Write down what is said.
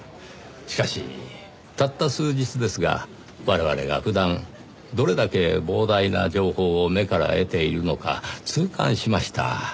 しかしたった数日ですが我々が普段どれだけ膨大な情報を目から得ているのか痛感しました。